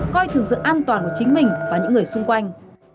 coi thường sự an toàn của chính mình và những người xung quanh